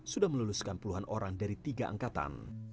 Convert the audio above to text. sudah meluluskan puluhan orang dari tiga angkatan